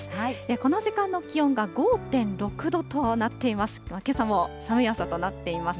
この時間の気温が５．６度となっています。